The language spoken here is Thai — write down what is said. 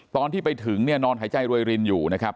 ตอนที่ไปถึงเนี่ยนอนหายใจรวยรินอยู่นะครับ